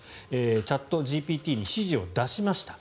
チャットＧＰＴに指示を出しました。